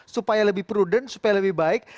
supaya lebih prudent supaya lebih baik